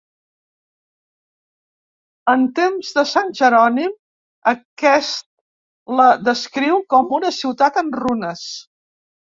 En temps de sant Jerònim, aquest la descriu com una ciutat en runes.